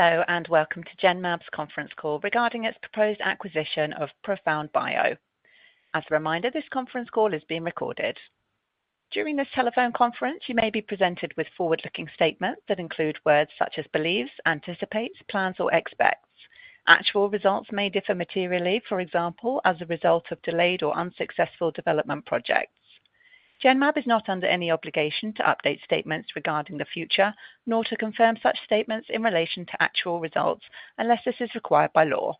Hello and welcome to Genmab's conference call regarding its proposed acquisition of ProfoundBio. As a reminder, this conference call is being recorded. During this telephone conference, you may be presented with forward-looking statements that include words such as believes, anticipates, plans, or expects. Actual results may differ materially, for example, as a result of delayed or unsuccessful development projects. Genmab is not under any obligation to update statements regarding the future, nor to confirm such statements in relation to actual results unless this is required by law.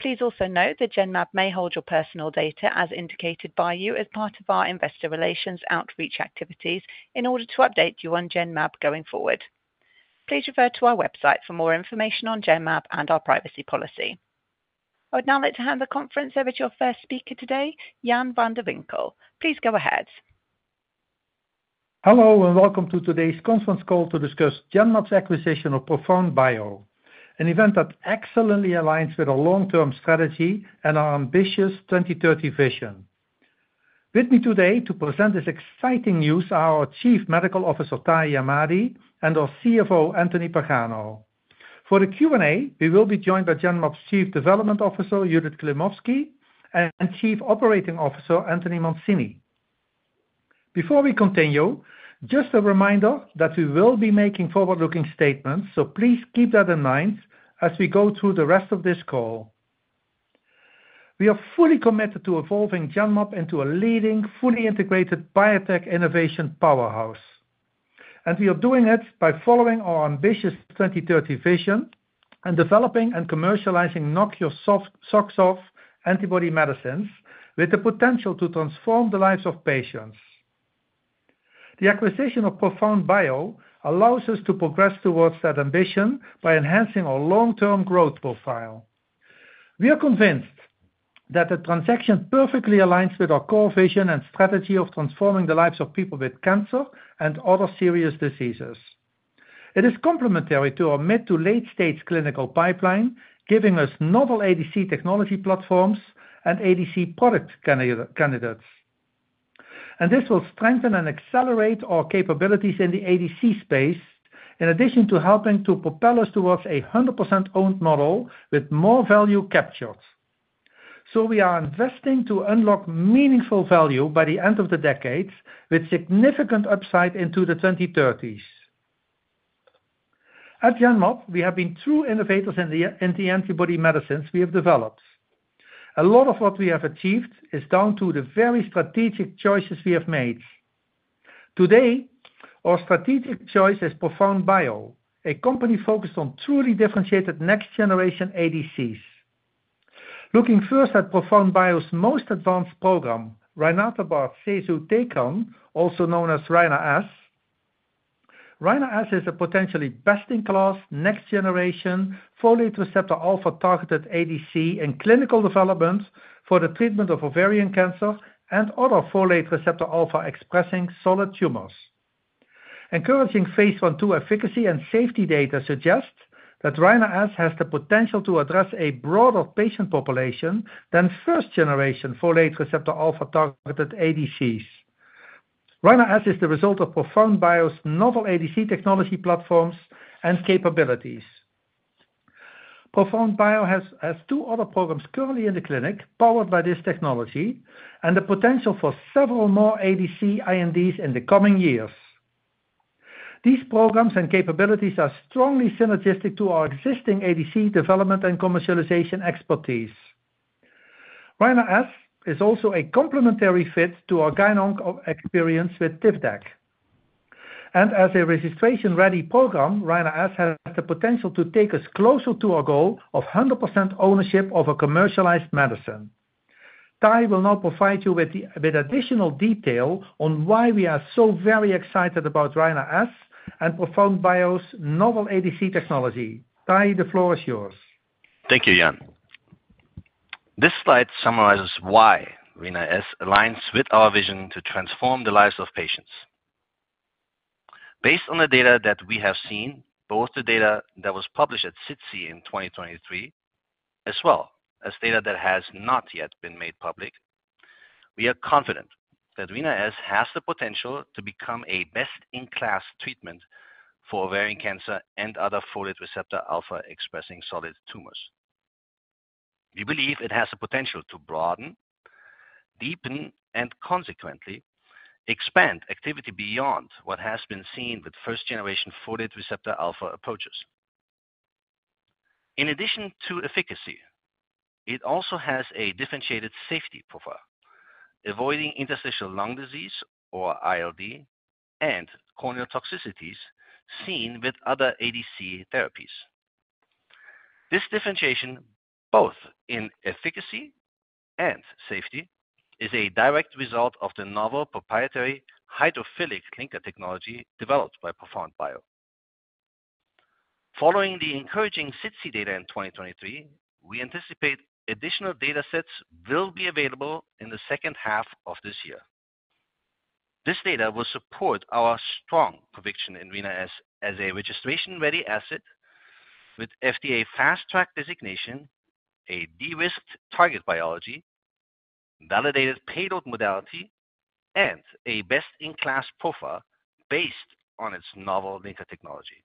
Please also note that Genmab may hold your personal data as indicated by you as part of our investor relations outreach activities in order to update you on Genmab going forward. Please refer to our website for more information on Genmab and our privacy policy. I would now like to hand the conference over to our first speaker today, Jan van de Winkel. Please go ahead. Hello and welcome to today's conference call to discuss Genmab's acquisition of ProfoundBio, an event that excellently aligns with our long-term strategy and our ambitious 2030 vision. With me today to present this exciting news are our Chief Medical Officer, Tahamtan Ahmadi, and our CFO, Anthony Pagano. For the Q&A, we will be joined by Genmab's Chief Development Officer, Judith Klimovsky, and Chief Operating Officer, Anthony Mancini. Before we continue, just a reminder that we will be making forward-looking statements, so please keep that in mind as we go through the rest of this call. We are fully committed to evolving Genmab into a leading, fully integrated biotech innovation powerhouse, and we are doing it by following our ambitious 2030 vision and developing and commercializing knock-your-socks-off antibody medicines with the potential to transform the lives of patients. The acquisition of ProfoundBio allows us to progress towards that ambition by enhancing our long-term growth profile. We are convinced that the transaction perfectly aligns with our core vision and strategy of transforming the lives of people with cancer and other serious diseases. It is complementary to our mid to late-stage clinical pipeline, giving us novel ADC technology platforms and ADC product candidates. This will strengthen and accelerate our capabilities in the ADC space, in addition to helping to propel us towards a 100% owned model with more value captured. We are investing to unlock meaningful value by the end of the decade, with significant upside into the 2030s. At Genmab, we have been true innovators in the antibody medicines we have developed. A lot of what we have achieved is down to the very strategic choices we have made. Today, our strategic choice is ProfoundBio, a company focused on truly differentiated next-generation ADCs. Looking first at ProfoundBio's most advanced program, rinatabart sesutecan, also known as Rina-S. Rina-S is a potentially best-in-class next-generation folate receptor alpha-targeted ADC in clinical development for the treatment of ovarian cancer and other folate receptor alpha-expressing solid tumors. Encouraging phase I and phase II efficacy and safety data suggest that Rina-S has the potential to address a broader patient population than first-generation folate receptor alpha-targeted ADCs. Rina-S is the result of ProfoundBio's novel ADC technology platforms and capabilities. ProfoundBio has two other programs currently in the clinic powered by this technology and the potential for several more ADC INDs in the coming years. These programs and capabilities are strongly synergistic to our existing ADC development and commercialization expertise. Rina-S is also a complementary fit to our Gyn-Onc experience with Tivdak. As a registration-ready program, Rina-S has the potential to take us closer to our goal of 100% ownership of a commercialized medicine. Tahi will now provide you with additional detail on why we are so very excited about Rina-S and ProfoundBio's novel ADC technology. Tahi, the floor is yours. Thank you, Jan. This slide summarizes why Rina-S aligns with our vision to transform the lives of patients. Based on the data that we have seen, both the data that was published at SITC in 2023, as well as data that has not yet been made public, we are confident that Rina-S has the potential to become a best-in-class treatment for ovarian cancer and other folate receptor alpha-expressing solid tumors. We believe it has the potential to broaden, deepen, and consequently expand activity beyond what has been seen with first-generation folate receptor alpha approaches. In addition to efficacy, it also has a differentiated safety profile, avoiding interstitial lung disease or ILD and corneal toxicities seen with other ADC therapies. This differentiation, both in efficacy and safety, is a direct result of the novel proprietary hydrophilic linker technology developed by ProfoundBio. Following the encouraging SITC data in 2023, we anticipate additional data sets will be available in the second half of this year. This data will support our strong conviction in Rina-S as a registration-ready asset with FDA Fast Track designation, a de-risked target biology, validated payload modality, and a best-in-class profile based on its novel linker technology.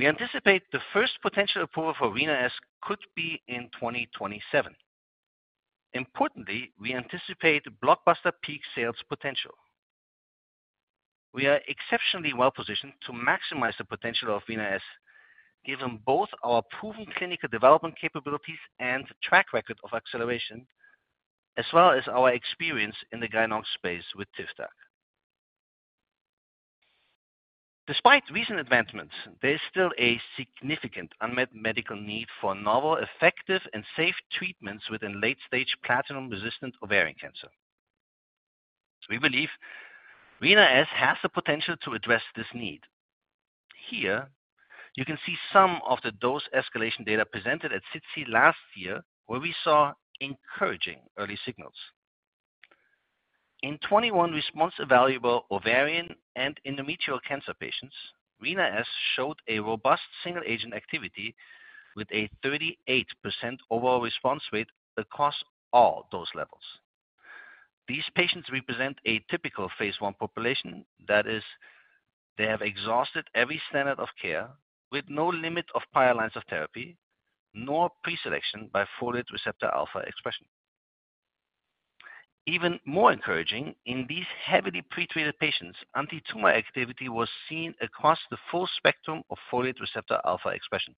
We anticipate the first potential approval for Rina-S could be in 2027. Importantly, we anticipate blockbuster peak sales potential. We are exceptionally well-positioned to maximize the potential of Rina-S given both our proven clinical development capabilities and track record of acceleration, as well as our experience in the Gyn-Onc space with Tivdak. Despite recent advancements, there is still a significant unmet medical need for novel, effective, and safe treatments within late-stage platinum-resistant ovarian cancer. We believe Rina-S has the potential to address this need. Here, you can see some of the dose escalation data presented at SITC last year, where we saw encouraging early signals. In 21 response-evaluable ovarian and endometrial cancer patients, Rina-S showed a robust single-agent activity with a 38% overall response rate across all dose levels. These patients represent a typical phase I population. That is, they have exhausted every standard of care with no limit of prior lines of therapy nor preselection by folate receptor alpha expression. Even more encouraging, in these heavily pretreated patients, antitumor activity was seen across the full spectrum of folate receptor alpha expression.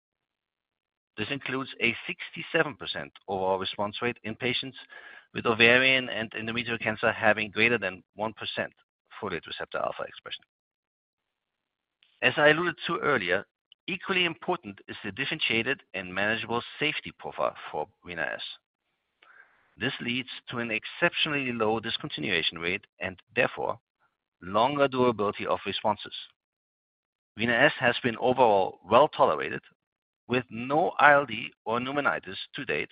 This includes a 67% overall response rate in patients with ovarian and endometrial cancer having greater than 1% folate receptor alpha expression. As I alluded to earlier, equally important is the differentiated and manageable safety profile for Rina-S. This leads to an exceptionally low discontinuation rate and, therefore, longer durability of responses. Rina-S has been overall well-tolerated with no ILD or pneumonitis to date,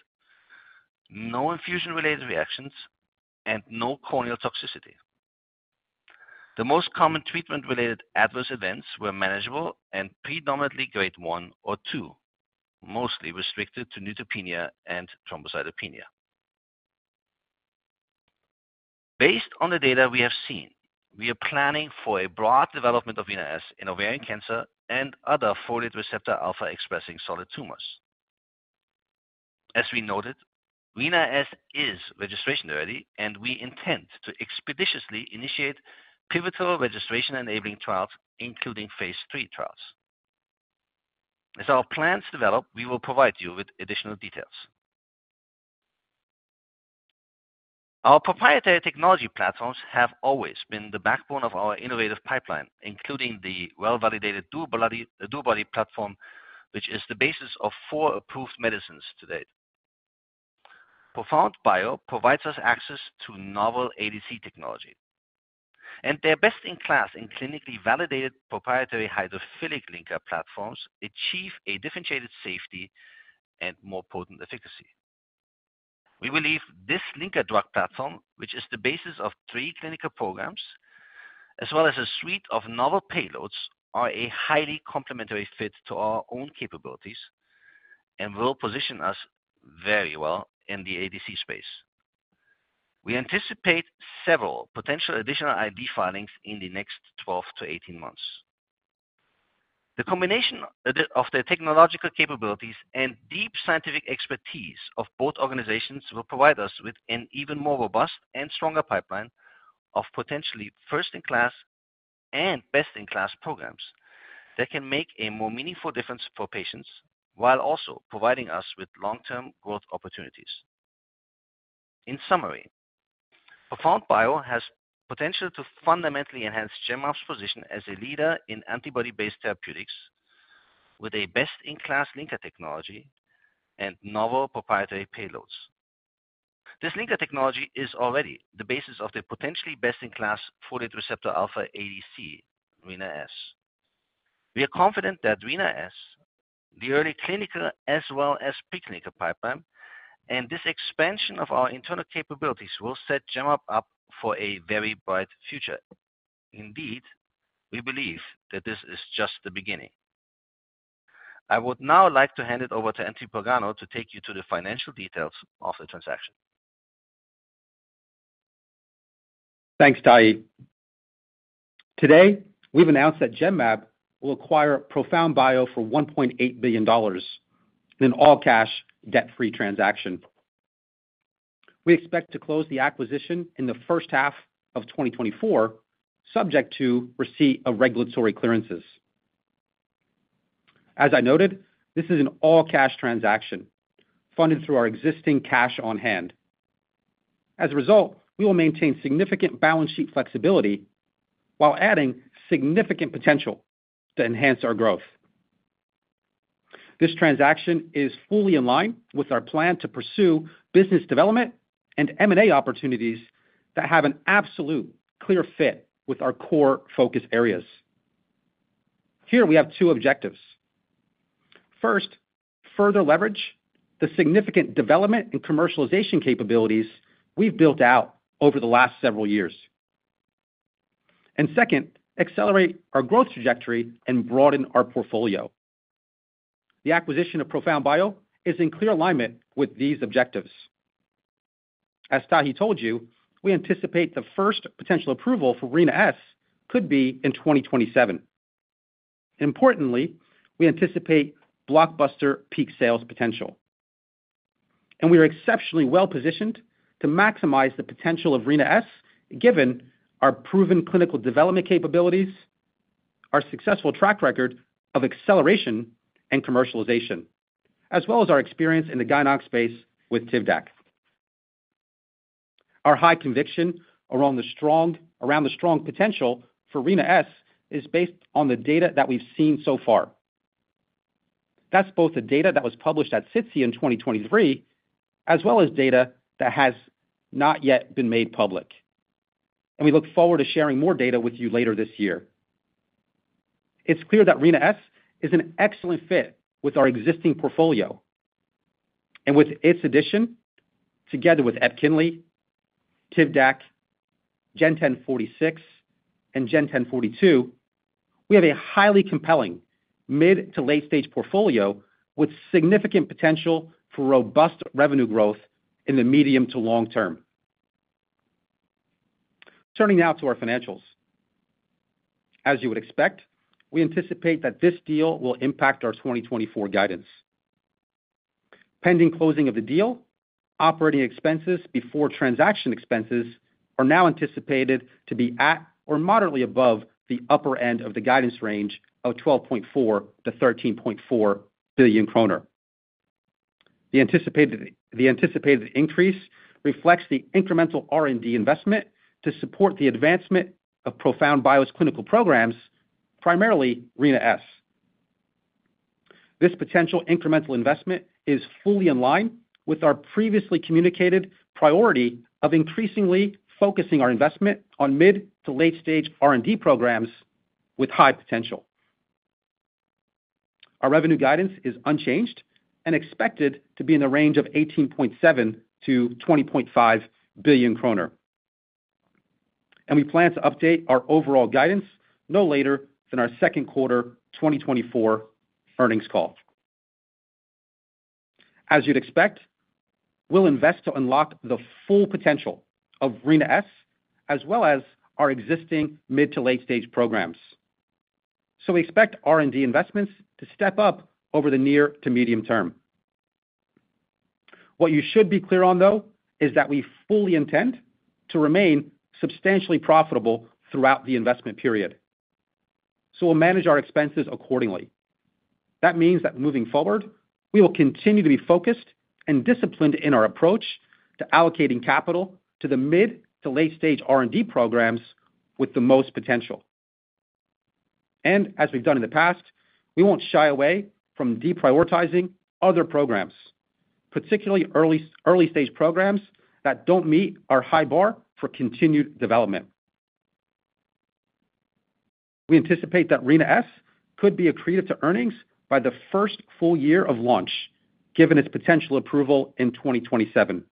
no infusion-related reactions, and no corneal toxicity. The most common treatment-related adverse events were manageable and predominantly grade 1 or 2, mostly restricted to neutropenia and thrombocytopenia. Based on the data we have seen, we are planning for a broad development of Rina-S in ovarian cancer and other folate receptor alpha-expressing solid tumors. As we noted, Rina-S is registration-ready, and we intend to expeditiously initiate pivotal registration-enabling trials, including phase III trials. As our plans develop, we will provide you with additional details. Our proprietary technology platforms have always been the backbone of our innovative pipeline, including the well-validated DuoBody platform, which is the basis of four approved medicines to date. ProfoundBio provides us access to novel ADC technology. Their best-in-class and clinically validated proprietary hydrophilic linker platforms achieve a differentiated safety and more potent efficacy. We believe this linker drug platform, which is the basis of three clinical programs as well as a suite of novel payloads, are a highly complementary fit to our own capabilities and will position us very well in the ADC space. We anticipate several potential additional IND filings in the next 12-18 months. The combination of the technological capabilities and deep scientific expertise of both organizations will provide us with an even more robust and stronger pipeline of potentially first-in-class and best-in-class programs that can make a more meaningful difference for patients while also providing us with long-term growth opportunities. In summary, ProfoundBio has potential to fundamentally enhance Genmab's position as a leader in antibody-based therapeutics with a best-in-class linker technology and novel proprietary payloads. This linker technology is already the basis of the potentially best-in-class folate receptor alpha ADC, Rina-S. We are confident that Rina-S, the early clinical as well as preclinical pipeline, and this expansion of our internal capabilities will set Genmab up for a very bright future. Indeed, we believe that this is just the beginning. I would now like to hand it over to Anthony Pagano to take you to the financial details of the transaction. Thanks, Tahi. Today, we've announced that Genmab will acquire ProfoundBio for $1.8 billion in an all-cash, debt-free transaction. We expect to close the acquisition in the first half of 2024, subject to receipt of regulatory clearances. As I noted, this is an all-cash transaction funded through our existing cash on hand. As a result, we will maintain significant balance sheet flexibility while adding significant potential to enhance our growth. This transaction is fully in line with our plan to pursue business development and M&A opportunities that have an absolute clear fit with our core focus areas. Here, we have two objectives. First, further leverage the significant development and commercialization capabilities we've built out over the last several years. Second, accelerate our growth trajectory and broaden our portfolio. The acquisition of ProfoundBio is in clear alignment with these objectives. As Tahi told you, we anticipate the first potential approval for Rina-S could be in 2027. Importantly, we anticipate blockbuster peak sales potential. We are exceptionally well-positioned to maximize the potential of Rina-S given our proven clinical development capabilities, our successful track record of acceleration and commercialization, as well as our experience in the Gyn-Onc space with Tivdak. Our high conviction around the strong potential for Rina-S is based on the data that we've seen so far. That's both the data that was published at SITC in 2023 as well as data that has not yet been made public. We look forward to sharing more data with you later this year. It's clear that Rina-S is an excellent fit with our existing portfolio. And with its addition, together with Epinkly, Tivdak, GEN1046, and GEN1042, we have a highly compelling mid- to late-stage portfolio with significant potential for robust revenue growth in the medium to long term. Turning now to our financials. As you would expect, we anticipate that this deal will impact our 2024 guidance. Pending closing of the deal, operating expenses before transaction expenses are now anticipated to be at or moderately above the upper end of the guidance range of 12.4 billion-13.4 billion kroner. The anticipated increase reflects the incremental R&D investment to support the advancement of ProfoundBio's clinical programs, primarily Rina-S. This potential incremental investment is fully in line with our previously communicated priority of increasingly focusing our investment on mid- to late-stage R&D programs with high potential. Our revenue guidance is unchanged and expected to be in the range of 18.7 billion-20.5 billion kroner. We plan to update our overall guidance no later than our second quarter 2024 earnings call. As you'd expect, we'll invest to unlock the full potential of Rina-S as well as our existing mid- to late-stage programs. We expect R&D investments to step up over the near- to medium-term. What you should be clear on, though, is that we fully intend to remain substantially profitable throughout the investment period. We'll manage our expenses accordingly. That means that moving forward, we will continue to be focused and disciplined in our approach to allocating capital to the mid- to late-stage R&D programs with the most potential. As we've done in the past, we won't shy away from deprioritizing other programs, particularly early-stage programs that don't meet our high bar for continued development. We anticipate that Rina-S could be accreted to earnings by the first full year of launch, given its potential approval in 2027.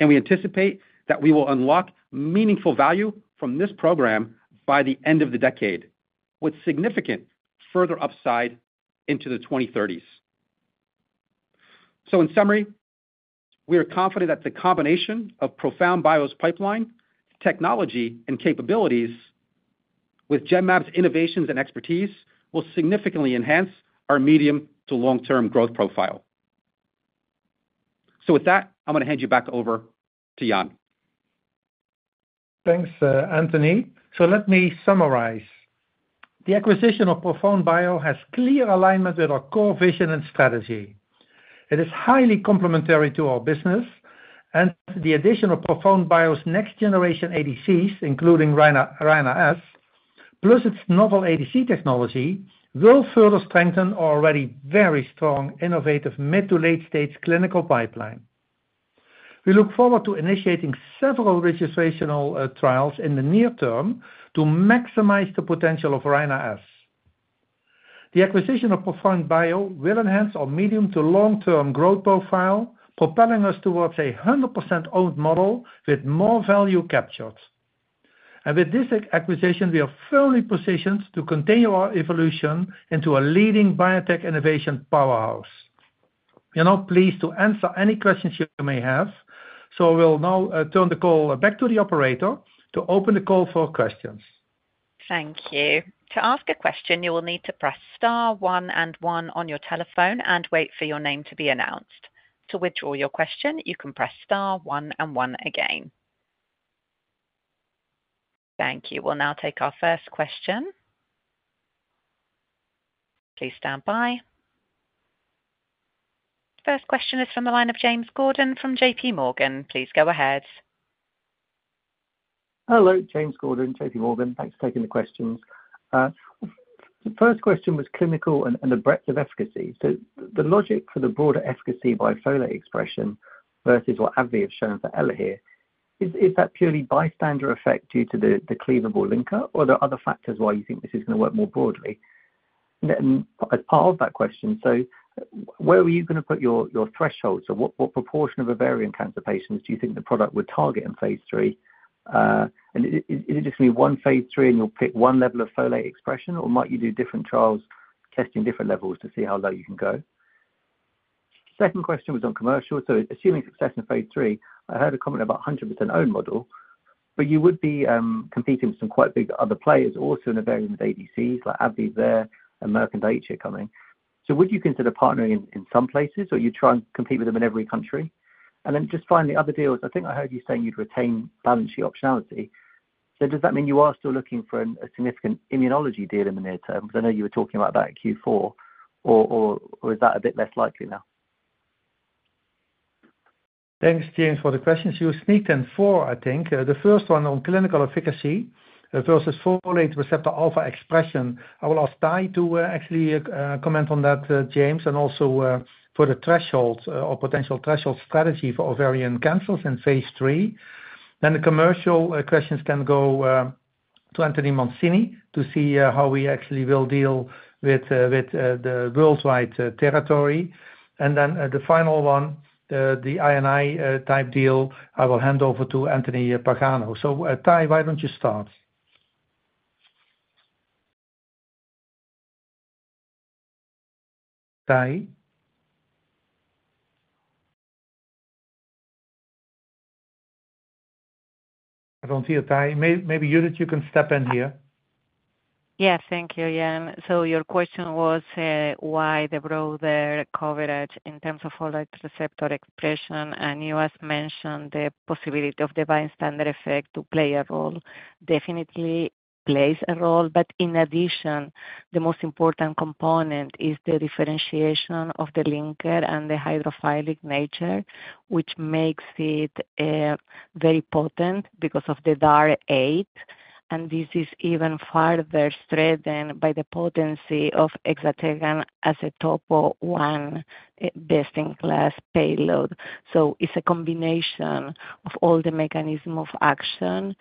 We anticipate that we will unlock meaningful value from this program by the end of the decade, with significant further upside into the 2030s. In summary, we are confident that the combination of ProfoundBio's pipeline, technology, and capabilities with Genmab's innovations and expertise will significantly enhance our medium to long-term growth profile. With that, I'm going to hand you back over to Jan. Thanks, Anthony. So let me summarize. The acquisition of ProfoundBio has clear alignment with our core vision and strategy. It is highly complementary to our business, and the addition of ProfoundBio's next-generation ADCs, including Rina-S, plus its novel ADC technology, will further strengthen our already very strong innovative mid to late-stage clinical pipeline. We look forward to initiating several registrational trials in the near term to maximize the potential of Rina-S. The acquisition of ProfoundBio will enhance our medium to long-term growth profile, propelling us towards a 100% owned model with more value captured. And with this acquisition, we are firmly positioned to continue our evolution into a leading biotech innovation powerhouse. We are now pleased to answer any questions you may have, so I will now turn the call back to the operator to open the call for questions. Thank you. To ask a question, you will need to press star 1 and 1 on your telephone and wait for your name to be announced. To withdraw your question, you can press star 1 and 1 again. Thank you. We'll now take our first question. Please stand by. First question is from the line of James Gordon from JP Morgan. Please go ahead. Hello, James Gordon, JP Morgan. Thanks for taking the questions. The first question was clinical and the breadth of efficacy. So the logic for the broader efficacy by folate expression versus what AbbVie has shown for Elahere, is that purely bystander effect due to the cleavable linker, or are there other factors why you think this is going to work more broadly? And as part of that question, so where were you going to put your thresholds? So what proportion of ovarian cancer patients do you think the product would target in phase III? And is it just going to be one phase III and you'll pick one level of folate expression, or might you do different trials testing different levels to see how low you can go? Second question was on commercial. Assuming success in phase III, I heard a comment about 100% owned model, but you would be competing with some quite big other players also in ovarian with ADCs like AbbVie there and Merck and Daiichi coming. So would you consider partnering in some places, or are you trying to compete with them in every country? And then just finally, other deals, I think I heard you saying you'd retain balance sheet optionality. So does that mean you are still looking for a significant immunology deal in the near term? Because I know you were talking about that at Q4, or is that a bit less likely now? Thanks, James, for the questions. You sneaked in four, I think. The first one on clinical efficacy versus folate receptor alpha expression. I will ask Tahi to actually comment on that, James, and also for the thresholds or potential threshold strategy for ovarian cancers in phase III. Then the commercial questions can go to Anthony Mancini to see how we actually will deal with the worldwide territory. And then the final one, the I&I-type deal, I will hand over to Anthony Pagano. So Tahi, why don't you start? Tahi? I don't hear Tahi. Maybe Judith, you can step in here. Yes, thank you, Jan. So your question was why the broader coverage in terms of folate receptor expression. And you have mentioned the possibility of the bystander effect to play a role. Definitely plays a role, but in addition, the most important component is the differentiation of the linker and the hydrophilic nature, which makes it very potent because of the DAR8. And this is even further strengthened by the potency of exatecan as a Topo I best-in-class payload. So it's a combination of all the mechanism of action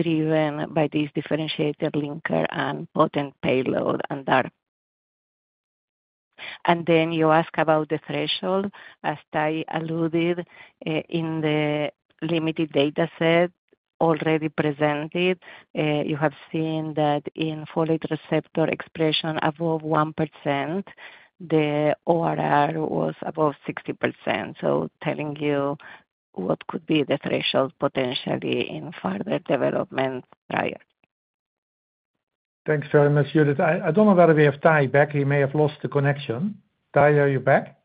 driven by these differentiated linker and potent payload and DAR. And then you ask about the threshold. As Tahi alluded, in the limited dataset already presented, you have seen that in folate receptor expression above 1%, the ORR was above 60%. So telling you what could be the threshold potentially in further development prior. Thanks very much, Judith. I don't know whether we have Tahi back. He may have lost the connection. Tahi, are you back?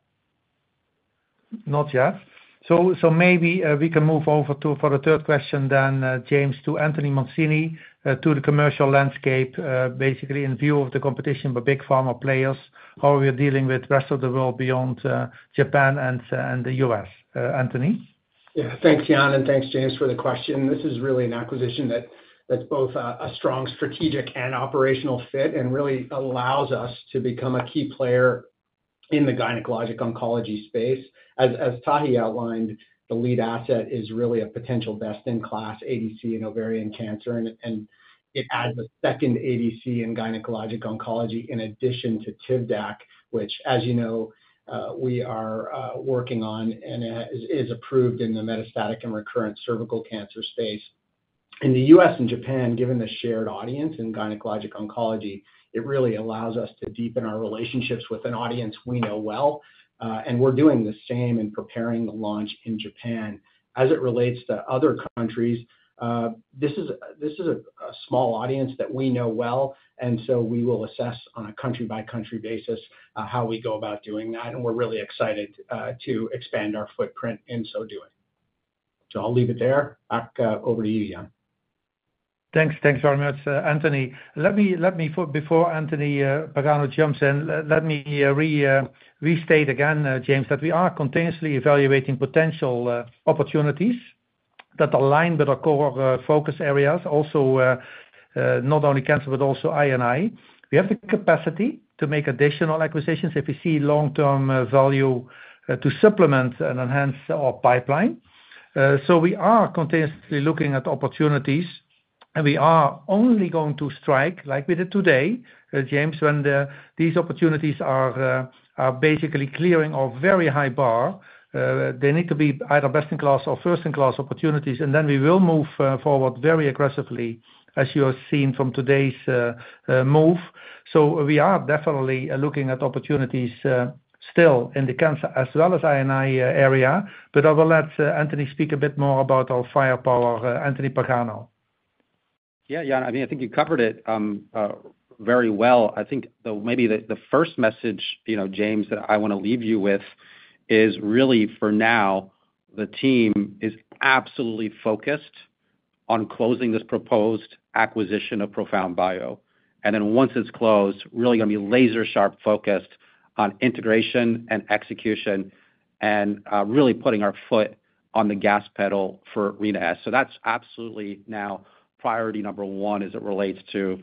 Not yet. So maybe we can move over for the third question then, James, to Anthony Mancini, to the commercial landscape, basically in view of the competition by big pharma players, how are we dealing with the rest of the world beyond Japan and the U.S., Anthony? Yeah, thanks, Jan, and thanks, James, for the question. This is really an acquisition that's both a strong strategic and operational fit and really allows us to become a key player in the gynecologic oncology space. As Tahi outlined, the lead asset is really a potential best-in-class ADC in ovarian cancer, and it adds a second ADC in gynecologic oncology in addition to Tivdak, which, as you know, we are working on and is approved in the metastatic and recurrent cervical cancer space. In the U.S. and Japan, given the shared audience in gynecologic oncology, it really allows us to deepen our relationships with an audience we know well. And we're doing the same in preparing the launch in Japan. As it relates to other countries, this is a small audience that we know well, and so we will assess on a country-by-country basis how we go about doing that. We're really excited to expand our footprint in so doing. I'll leave it there. Back over to you, Jan. Thanks very much, Anthony. Before Anthony Pagano jumps, let me restate again, James, that we are continuously evaluating potential opportunities that align with our core focus areas, also not only cancer but also I&I. We have the capacity to make additional acquisitions if we see long-term value to supplement and enhance our pipeline. So we are continuously looking at opportunities, and we are only going to strike like we did today, James, when these opportunities are basically clearing our very high bar. They need to be either best-in-class or first-in-class opportunities, and then we will move forward very aggressively, as you have seen from today's move. So we are definitely looking at opportunities still in the cancer as well as I&I area, but I will let Anthony speak a bit more about our firepower, Anthony Pagano. Yeah, Jan, I mean, I think you covered it very well. I think maybe the first message, James, that I want to leave you with is really, for now, the team is absolutely focused on closing this proposed acquisition of ProfoundBio. And then once it's closed, really going to be laser-sharp focused on integration and execution and really putting our foot on the gas pedal for Rina-S. So that's absolutely now priority number one as it relates to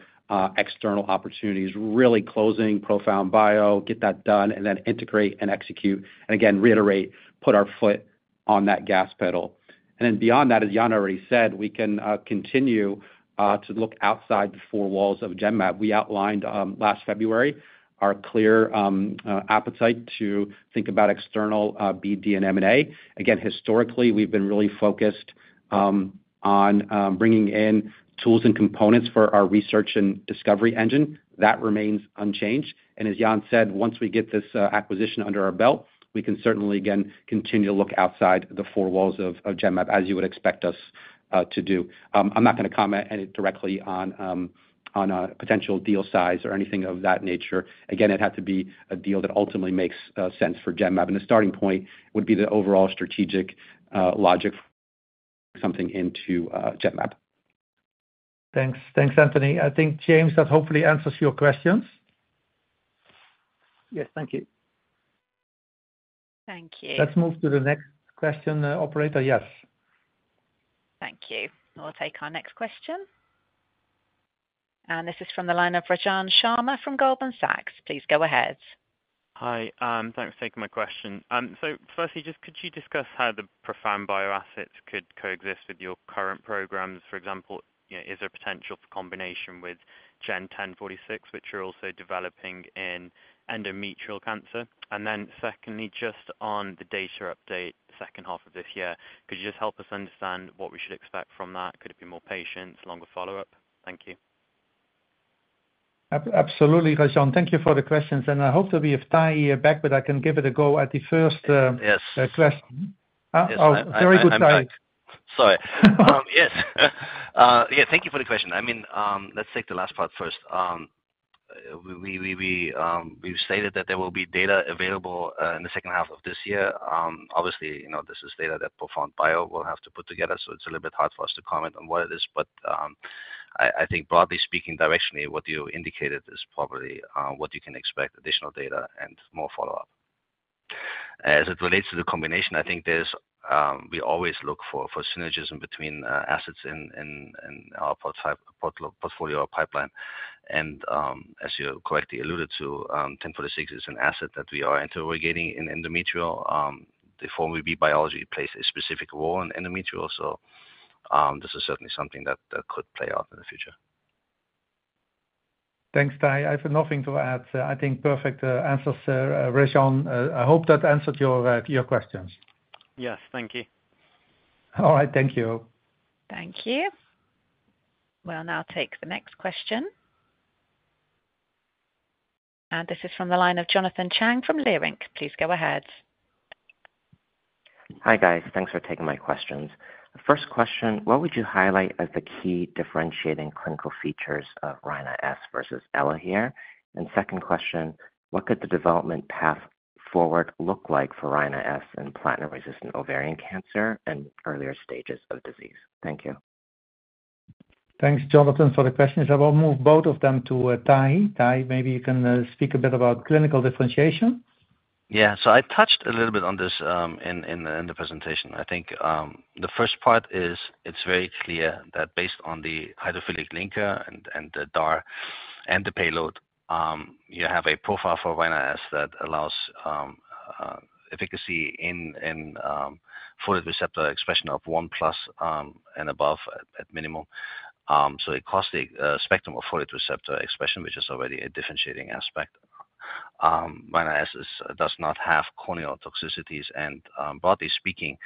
external opportunities, really closing ProfoundBio, get that done, and then integrate and execute. And again, reiterate, put our foot on that gas pedal. And then beyond that, as Jan already said, we can continue to look outside the four walls of Genmab. We outlined last February our clear appetite to think about external BD and M&A. Again, historically, we've been really focused on bringing in tools and components for our research and discovery engine. That remains unchanged. And as Jan said, once we get this acquisition under our belt, we can certainly, again, continue to look outside the four walls of Genmab, as you would expect us to do. I'm not going to comment directly on potential deal size or anything of that nature. Again, it had to be a deal that ultimately makes sense for Genmab. And the starting point would be the overall strategic logic for something into Genmab. Thanks. Thanks, Anthony. I think, James, that hopefully answers your questions. Yes, thank you. Thank you. Let's move to the next question, operator. Yes. Thank you. We'll take our next question. This is from the line of Rajan Sharma from Goldman Sachs. Please go ahead. Hi. Thanks for taking my question. So firstly, just could you discuss how the ProfoundBio assets could coexist with your current programs? For example, is there a potential for combination with GEN1046, which you're also developing in endometrial cancer? And then secondly, just on the data update second half of this year, could you just help us understand what we should expect from that? Could it be more patients, longer follow-up? Thank you. Absolutely, Rajan. Thank you for the questions. And I hope to be of help, but I can give it a go at the first question. Oh, very good, Tahamtan. Sorry. Yes. Yeah, thank you for the question. I mean, let's take the last part first. We've stated that there will be data available in the second half of this year. Obviously, this is data that ProfoundBio will have to put together, so it's a little bit hard for us to comment on what it is. But I think, broadly speaking, directionally, what you indicated is probably what you can expect: additional data and more follow-up. As it relates to the combination, I think we always look for synergism between assets in our portfolio or pipeline. And as you correctly alluded to, 1046 is an asset that we are interrogating in endometrial. The 4-1BB biology plays a specific role in endometrial, so this is certainly something that could play out in the future. Thanks, Tahi. I have nothing to add. I think perfect answers, Rajan. I hope that answered your questions. Yes, thank you. All right. Thank you. Thank you. We'll now take the next question. This is from the line of Jonathan Chang from Leerink. Please go ahead. Hi, guys. Thanks for taking my questions. First question, what would you highlight as the key differentiating clinical features of Rina-S versus Elahere? And second question, what could the development path forward look like for Rina-S and platinum-resistant ovarian cancer and earlier stages of disease? Thank you. Thanks, Jonathan, for the questions. I will move both of them to Tahi. Tahi, maybe you can speak a bit about clinical differentiation. Yeah. So I touched a little bit on this in the presentation. I think the first part is it's very clear that based on the hydrophilic linker and the DAR and the payload, you have a profile for Rina-S that allows efficacy in folate receptor expression of 1+ and above at minimum. So across the spectrum of folate receptor expression, which is already a differentiating aspect, Rina-S does not have corneal toxicities. And broadly speaking,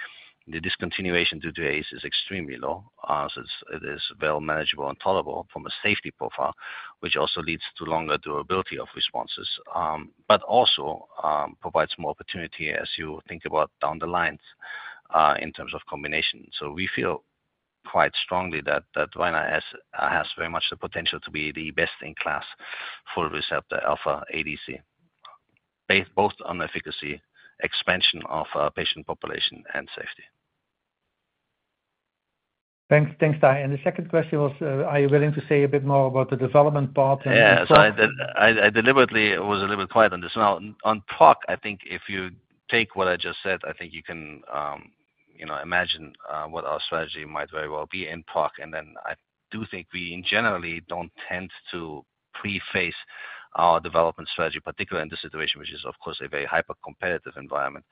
the discontinuation due to AEs is extremely low. So it is well manageable and tolerable from a safety profile, which also leads to longer durability of responses, but also provides more opportunity as you think about down the lines in terms of combination. So we feel quite strongly that Rina-S has very much the potential to be the best-in-class folate receptor alpha ADC, both on efficacy, expansion of patient population, and safety. Thanks, Tahi. And the second question was, are you willing to say a bit more about the development part and the profile? Yeah. So I deliberately was a little bit quiet on this. Now, on POC, I think if you take what I just said, I think you can imagine what our strategy might very well be in POC. And then I do think we, in general, don't tend to preface our development strategy, particularly in this situation, which is, of course, a very hyper-competitive environment.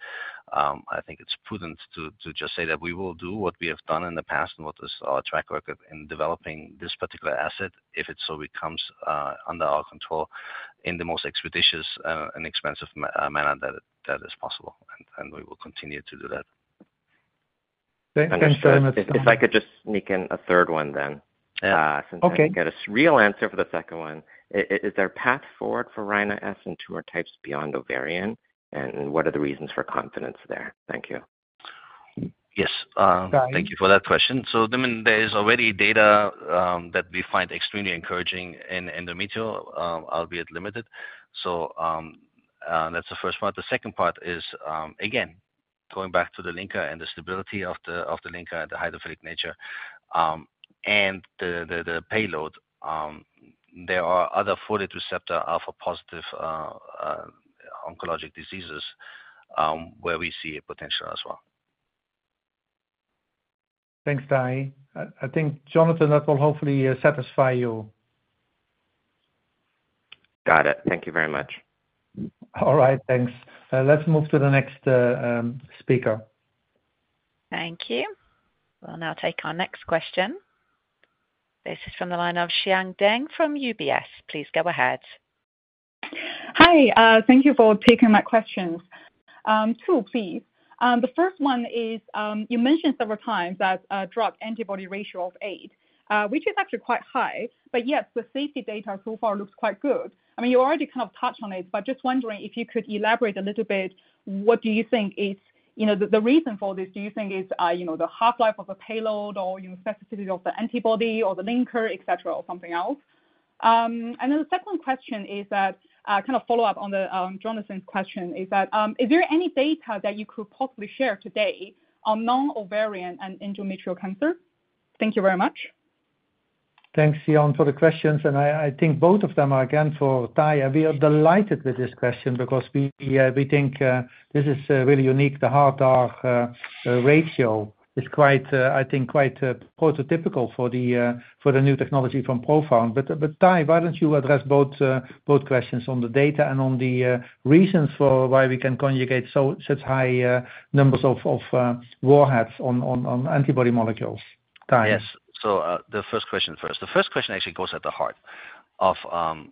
I think it's prudent to just say that we will do what we have done in the past and what is our track record in developing this particular asset if it so becomes under our control in the most expeditious and expensive manner that is possible. And we will continue to do that. Thanks very much, Tahi. If I could just sneak in a third one then, since I think I had a real answer for the second one. Is there a path forward for Rina-S and tumor types beyond ovarian, and what are the reasons for confidence there? Thank you. Yes. Thank you for that question. So there is already data that we find extremely encouraging in endometrial, albeit limited. So that's the first part. The second part is, again, going back to the linker and the stability of the linker, the hydrophilic nature, and the payload, there are other folate receptor alpha-positive oncologic diseases where we see a potential as well. Thanks, Tahi. I think, Jonathan, that will hopefully satisfy you. Got it. Thank you very much. All right. Thanks. Let's move to the next speaker. Thank you. We'll now take our next question. This is from the line of Xian Deng from UBS. Please go ahead. Hi. Thank you for taking my questions. two, please. The first one is you mentioned several times that drug-antibody ratio of eight, which is actually quite high, but yet, the safety data so far looks quite good. I mean, you already kind of touched on it, but just wondering if you could elaborate a little bit, what do you think is the reason for this? Do you think it's the half-life of the payload or specificity of the antibody or the linker, etc., or something else? And then the second question is that kind of follow-up on Jonathan's question is that is there any data that you could possibly share today on non-ovarian and endometrial cancer? Thank you very much. Thanks, Xian, for the questions. I think both of them are, again, for Tahi. We are delighted with this question because we think this is really unique. The high DAR ratio is, I think, quite prototypical for the new technology from Profound. But Tahi, why don't you address both questions on the data and on the reasons for why we can conjugate such high numbers of warheads on antibody molecules, Tahi? Yes. So the first question first. The first question actually goes at the heart of the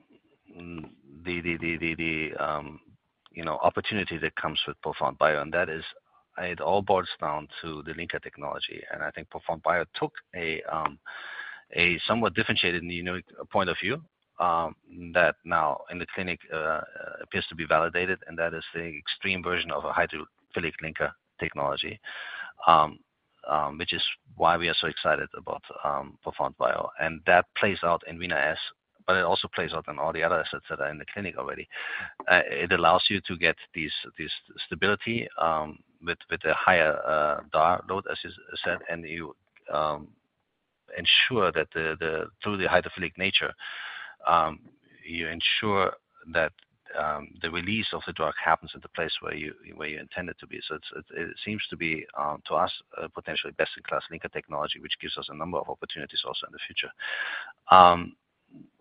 opportunity that comes with ProfoundBio, and that is it all boils down to the linker technology. And I think ProfoundBio took a somewhat differentiated point of view that now in the clinic appears to be validated, and that is the extreme version of a hydrophilic linker technology, which is why we are so excited about ProfoundBio. And that plays out in Rina-S, but it also plays out in all the other assets that are in the clinic already. It allows you to get this stability with a higher DAR load, as you said, and you ensure that through the hydrophilic nature, you ensure that the release of the drug happens in the place where you intend it to be. So it seems to be, to us, potentially best-in-class linker technology, which gives us a number of opportunities also in the future.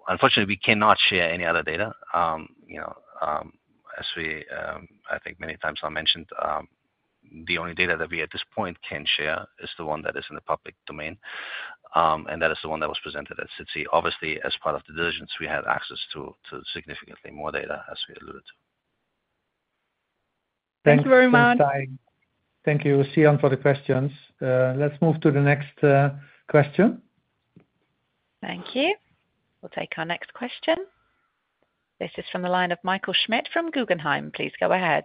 Unfortunately, we cannot share any other data. As we, I think, many times now mentioned, the only data that we at this point can share is the one that is in the public domain, and that is the one that was presented at SITC. Obviously, as part of the diligence, we had access to significantly more data, as we alluded to. Thank you very much. Thank you, Xiang, for the questions. Let's move to the next question. Thank you. We'll take our next question. This is from the line of Michael Schmidt from Guggenheim. Please go ahead.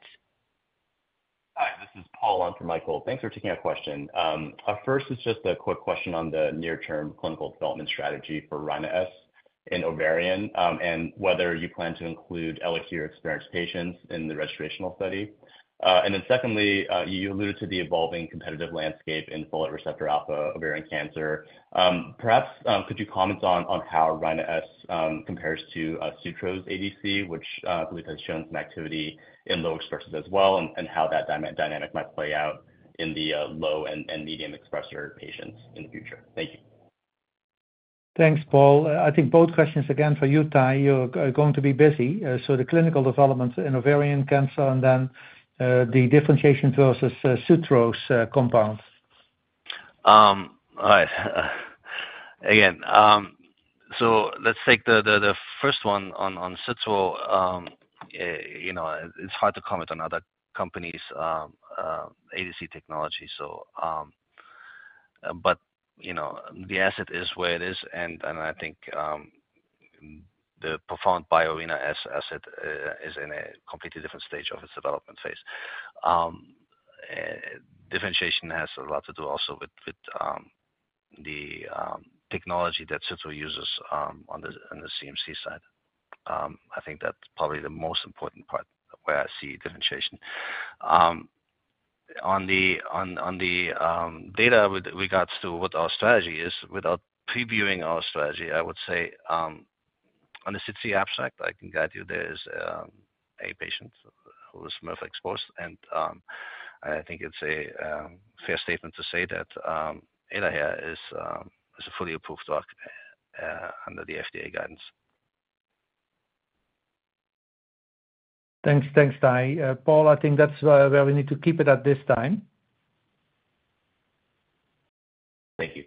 Hi. This is Paul on for Michael. Thanks for taking our question. First is just a quick question on the near-term clinical development strategy for Rina-S in ovarian and whether you plan to include Elahere-experienced patients in the registrational study. Then secondly, you alluded to the evolving competitive landscape in folate receptor alpha ovarian cancer. Perhaps could you comment on how Rina-S compares to Sutro's ADC, which I believe has shown some activity in low expressors as well, and how that dynamic might play out in the low and medium expressor patients in the future? Thank you. Thanks, Paul. I think both questions, again, for you, Tahi. You're going to be busy. So the clinical developments in ovarian cancer and then the differentiation versus Sutro's compounds. All right. Again, so let's take the first one on Sutro's. It's hard to comment on other companies' ADC technology, so. But the asset is where it is, and I think the ProfoundBio Rina-S asset is in a completely different stage of its development phase. Differentiation has a lot to do also with the technology that Sutro's uses on the CMC side. I think that's probably the most important part where I see differentiation. On the data with regards to what our strategy is, without previewing our strategy, I would say on the SITC abstract, I can guide you. There is a patient who is mirvetuximab exposed, and I think it's a fair statement to say that Elahere is a fully approved drug under the FDA guidance. Thanks. Thanks, Tahi. Paul, I think that's where we need to keep it at this time. Thank you.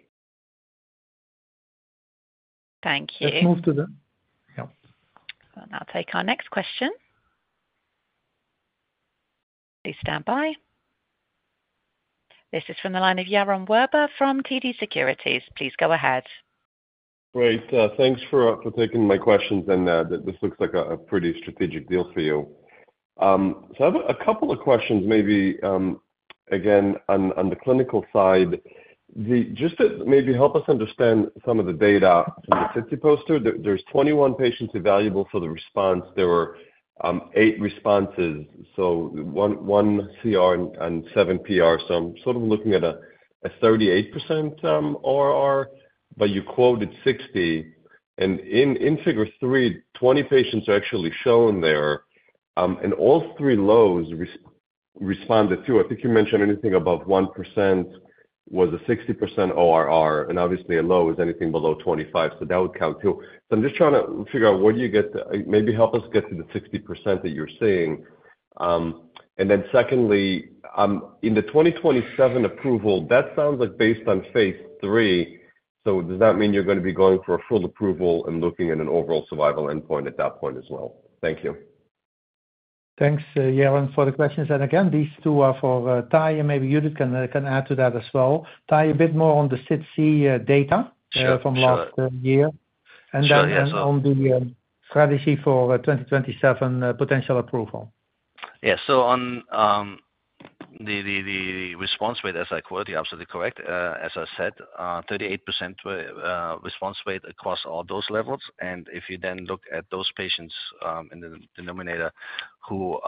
Thank you. Let's move to the. We'll now take our next question. Please stand by. This is from the line of Yaron Werber from TD Securities. Please go ahead. Great. Thanks for taking my questions, and this looks like a pretty strategic deal for you. So I have a couple of questions, maybe, again, on the clinical side. Just to maybe help us understand some of the data from the SITC poster, there's 21 patients evaluable for the response. There were 8 responses, so 1 CR and 7 PR. So I'm sort of looking at a 38% ORR, but you quoted 60. And in figure 3, 20 patients are actually shown there, and all three lows responded to. I think you mentioned anything above 1% was a 60% ORR, and obviously, a low is anything below 25, so that would count too. So I'm just trying to figure out where do you get to maybe help us get to the 60% that you're seeing. Then secondly, in the 2027 approval, that sounds like based on phase III, so does that mean you're going to be going for a full approval and looking at an overall survival endpoint at that point as well? Thank you. Thanks, Yaron, for the questions. And again, these two are for Tahi, and maybe Judith can add to that as well. Tahi, a bit more on the SITC data from last year and then on the strategy for 2027 potential approval. Yeah. So on the response rate, as I quoted, you're absolutely correct. As I said, 38% response rate across all those levels. And if you then look at those patients in the denominator who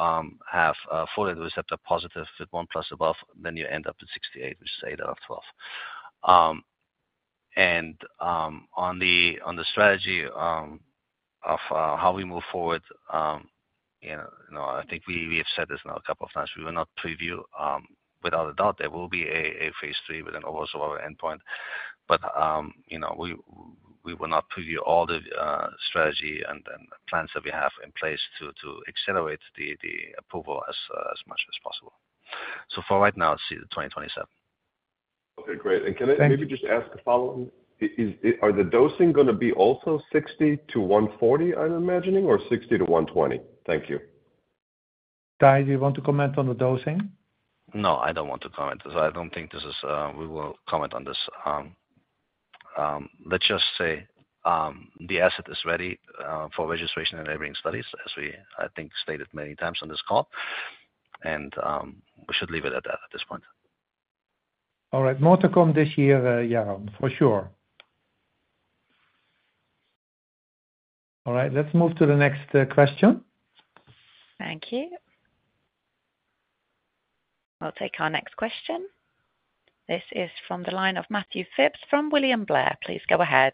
have folate receptor positive with 1+ above, then you end up at 68%, which is 8 out of 12. And on the strategy of how we move forward, I think we have said this now a couple of times. We will not preview. Without a doubt, there will be a phase III with an overall survival endpoint, but we will not preview all the strategy and plans that we have in place to accelerate the approval as much as possible. So for right now, it's 2027. Okay. Great. And can I maybe just ask a follow-up? Are the dosing going to be also 60-140, I'm imagining, or 60-120? Thank you. Tahi, do you want to comment on the dosing? No, I don't want to comment. So I don't think we will comment on this. Let's just say the asset is ready for registration and labeling studies, as we, I think, stated many times on this call, and we should leave it at that at this point. All right. J.P. Morgan this year, Yaron, for sure. All right. Let's move to the next question. Thank you. We'll take our next question. This is from the line of Matthew Phipps from William Blair. Please go ahead.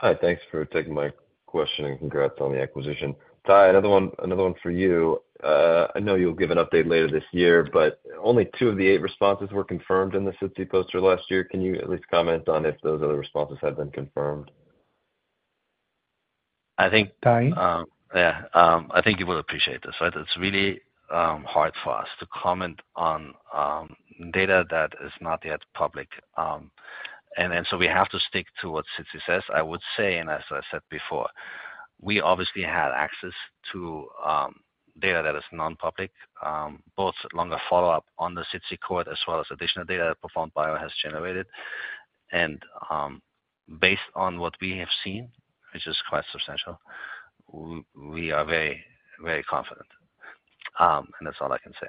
Hi. Thanks for taking my question, and congrats on the acquisition. Tahi, another one for you. I know you'll give an update later this year, but only 2 of the 8 responses were confirmed in the SITC poster last year. Can you at least comment on if those other responses have been confirmed? I think. Tahi? Yeah. I think you will appreciate this, right? It's really hard for us to comment on data that is not yet public. And so we have to stick to what SITC says. I would say, and as I said before, we obviously had access to data that is non-public, both longer follow-up on the SITC cohort as well as additional data that Profound Bio has generated. And based on what we have seen, which is quite substantial, we are very, very confident. And that's all I can say.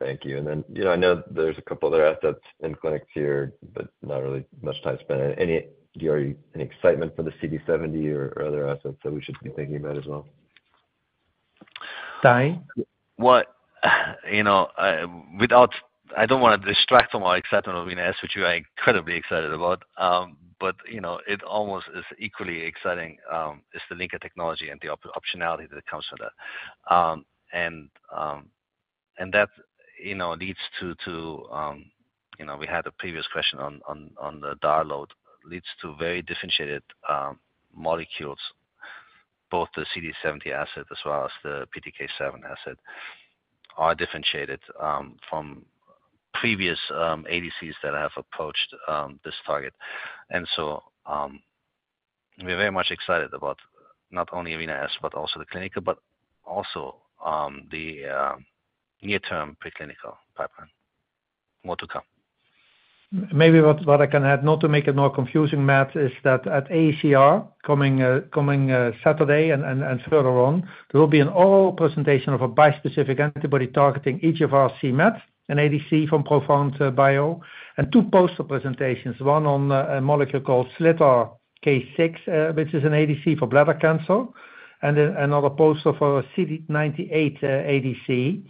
Thank you. And then I know there's a couple other assets in clinics here, but not really much time spent. Do you have any excitement for the CD70 or other assets that we should be thinking about as well? Tahi? Well, I don't want to distract from our excitement over Rina-S, which we are incredibly excited about, but almost equally exciting is the linker technology and the optionality that comes with that. And that leads to we had a previous question on the DAR load. Leads to very differentiated molecules, both the CD70 asset as well as the PTK7 asset are differentiated from previous ADCs that have approached this target. And so we're very much excited about not only Rina-S but also the clinical, but also the near-term preclinical pipeline. More to come. Maybe what I can add, not to make it more confusing, Matt, is that at AACR coming Saturday and further on, there will be an oral presentation of a bispecific antibody targeting each of our c-Met, an ADC from ProfoundBio, and two poster presentations, one on a molecule called SLITRK6, which is an ADC for bladder cancer, and another poster for a CD98 ADC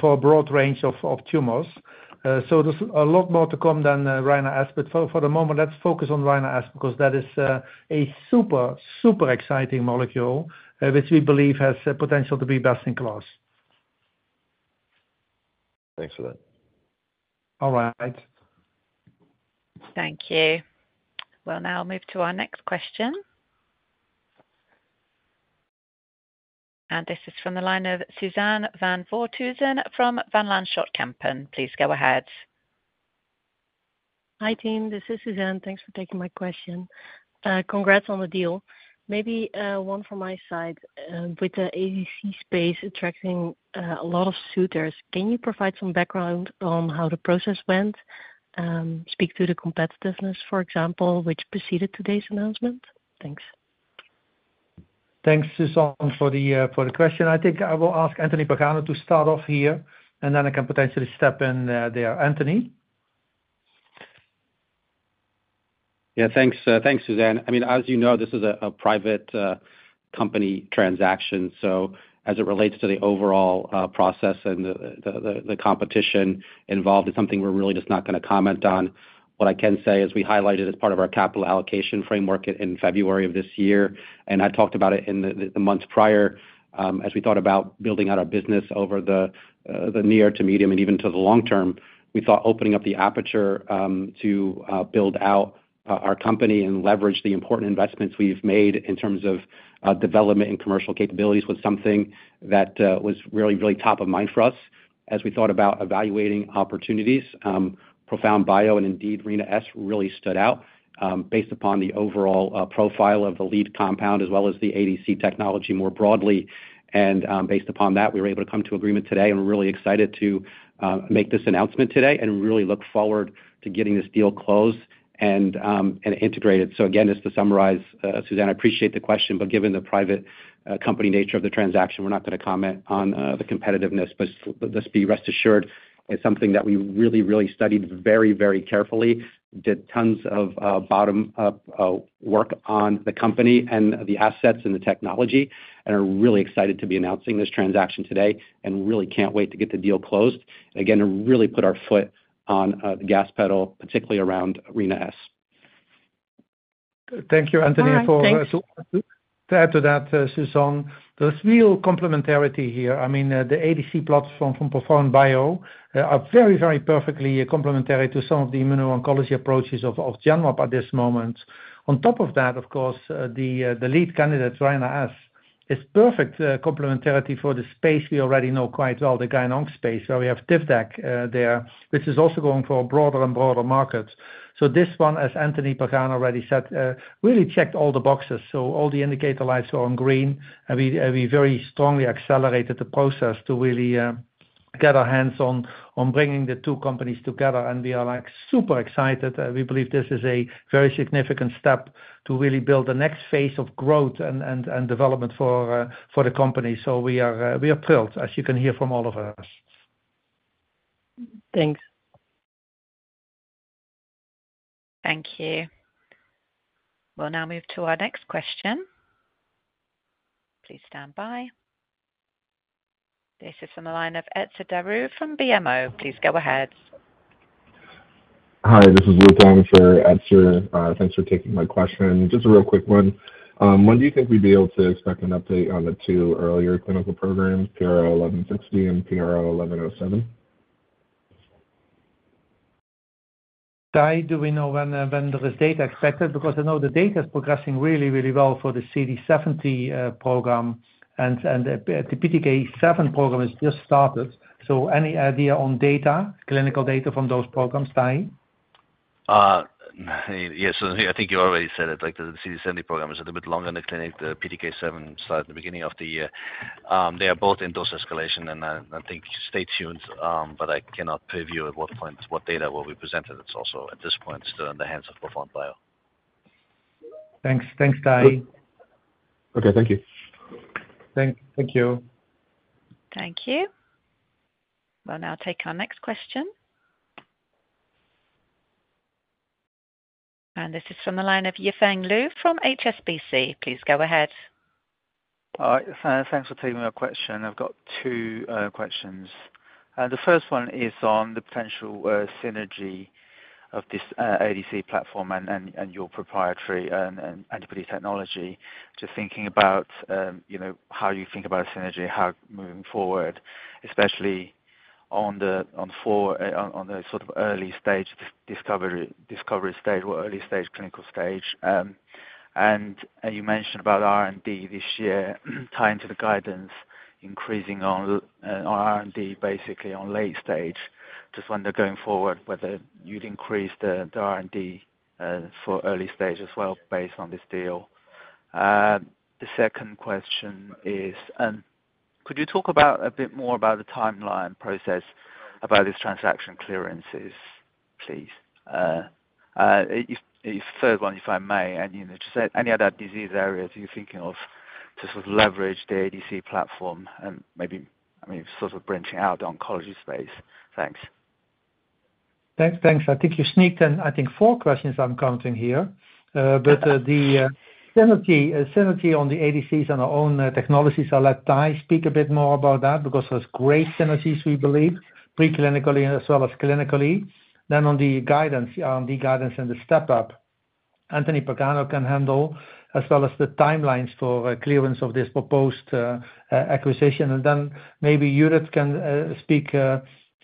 for a broad range of tumors. So there's a lot more to come than Rina-S, but for the moment, let's focus on Rina-S because that is a super, super exciting molecule, which we believe has potential to be best in class. Thanks for that. All right. Thank you. We'll now move to our next question. This is from the line of Suzanne van Voorthuizen from Van Lanschot Kempen. Please go ahead. Hi, team. This is Suzanne. Thanks for taking my question. Congrats on the deal. Maybe one from my side. With the ADC space attracting a lot of suitors, can you provide some background on how the process went? Speak to the competitiveness, for example, which preceded today's announcement. Thanks. Thanks, Suzanne, for the question. I think I will ask Anthony Pagano to start off here, and then I can potentially step in there. Anthony? Yeah. Thanks, Suzanne. I mean, as you know, this is a private company transaction. So as it relates to the overall process and the competition involved, it's something we're really just not going to comment on. What I can say is we highlighted it as part of our capital allocation framework in February of this year, and I talked about it in the months prior. As we thought about building out our business over the near to medium and even to the long term, we thought opening up the aperture to build out our company and leverage the important investments we've made in terms of development and commercial capabilities was something that was really, really top of mind for us as we thought about evaluating opportunities. ProfoundBio and indeed Rina-S really stood out based upon the overall profile of the lead compound as well as the ADC technology more broadly. Based upon that, we were able to come to agreement today, and we're really excited to make this announcement today and really look forward to getting this deal closed and integrated. So again, just to summarize, Suzanne, I appreciate the question, but given the private company nature of the transaction, we're not going to comment on the competitiveness. But let's be rest assured, it's something that we really, really studied very, very carefully, did tons of bottom-up work on the company and the assets and the technology, and are really excited to be announcing this transaction today and really can't wait to get the deal closed. Again, to really put our foot on the gas pedal, particularly around Rina-S. Thank you, Anthony. To add to that, Suzanne, there's real complementarity here. I mean, the ADC platform from ProfoundBio are very, very perfectly complementary to some of the immuno-oncology approaches of Genmab at this moment. On top of that, of course, the lead candidate, Rina-S, is perfect complementarity for the space we already know quite well, the Gyn-Onc space where we have Tivdak there, which is also going for a broader and broader market. This one, as Anthony Pagano already said, really checked all the boxes. All the indicator lights were on green, and we very strongly accelerated the process to really get our hands on bringing the two companies together. We are super excited. We believe this is a very significant step to really build the next phase of growth and development for the company. So we are thrilled, as you can hear from all of us. Thanks. Thank you. We'll now move to our next question. Please stand by. This is from the line of Etzer Darout from BMO. Please go ahead. Hi. This is Luckshan for Etzer. Thanks for taking my question. Just a real quick one. When do you think we'd be able to expect an update on the two earlier clinical programs, PRO1160 and PRO1107? Tahamtan, do we know when there is data expected? Because I know the data is progressing really, really well for the CD70 program, and the PTK7 program has just started. So any idea on data, clinical data from those programs, Tahamtan? Yes. I think you already said it. The CD70 program is a little bit longer in the clinic. The PTK7 started in the beginning of the year. They are both in dose escalation, and I think stay tuned, but I cannot preview at what point what data will be presented. It's also at this point still in the hands of ProfoundBio. Thanks. Thanks, Tahi. Okay. Thank you. Thank you. Thank you. We'll now take our next question. This is from the line of Yifeng Liu from HSBC. Please go ahead. All right. Thanks for taking my question. I've got two questions. The first one is on the potential synergy of this ADC platform and your proprietary antibody technology, just thinking about how you think about synergy, how moving forward, especially on the sort of early stage, discovery stage or early stage clinical stage. And you mentioned about R&D this year tying to the guidance, increasing on R&D basically on late stage, just when they're going forward, whether you'd increase the R&D for early stage as well based on this deal. The second question is, could you talk a bit more about the timeline process about these transaction clearances, please? Your third one, if I may, and just any other disease areas you're thinking of to sort of leverage the ADC platform and maybe, I mean, sort of branching out the oncology space. Thanks. Thanks. I think you sneaked in, I think, four questions I'm counting here. But the synergy on the ADCs and our own technologies, I'll let Tahi speak a bit more about that because there's great synergies, we believe, preclinically as well as clinically. Then on the guidance, on the guidance and the step-up, Anthony Pagano can handle as well as the timelines for clearance of this proposed acquisition. Then maybe Judith can speak